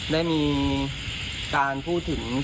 ได้มีการพูดถึง